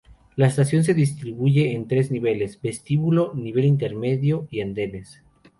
La estación se distribuye en tres niveles: vestíbulo, nivel intermedio y andenes.